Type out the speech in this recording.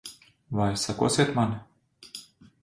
Vai sekosiet man?